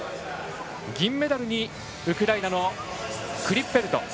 銀メダルにウクライナのクリッペルト。